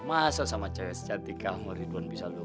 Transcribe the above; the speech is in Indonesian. masa sama cahaya sejati kamu ridwan bisa lohan